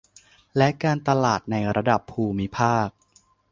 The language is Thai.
และการตลาดในระดับภูมิภาค